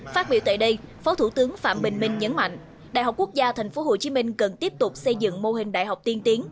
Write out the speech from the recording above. phát biểu tại đây phó thủ tướng phạm bình minh nhấn mạnh đại học quốc gia tp hcm cần tiếp tục xây dựng mô hình đại học tiên tiến